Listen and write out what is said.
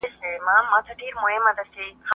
په اسلام کي د بل آزارول حرام دي.